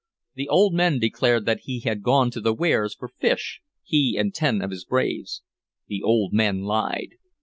The old men declared that he had gone to the weirs for fish, he and ten of his braves. The old men lied.